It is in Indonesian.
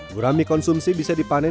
gurami konsumsi bisa dipanen